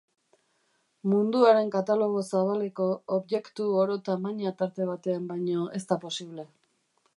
Munduaren katalogo zabaleko objektu oro tamaina-tarte batean baino ez da posible.